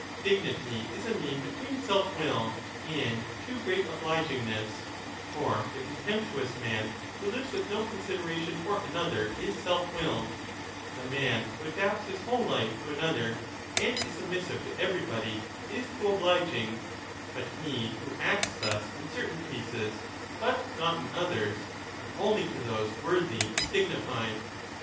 Dignity is a mean between 35 self will and too great obligingness ; for the contemptuous " man who lives with no consideration for another is self willed ; the man who adapts his whole life to another and is sub missive to everybody is too obliging ; but he who acts thus in certain cases but not in others, and only to those worthy, is dignified.